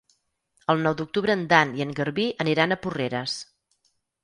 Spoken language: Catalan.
El nou d'octubre en Dan i en Garbí aniran a Porreres.